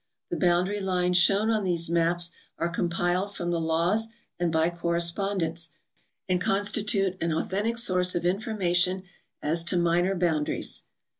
The bound ary lines shown on these maps are compiled from the laws and b}'' correspondence, and constitute an authentic source of infor mation as to minor boundaries.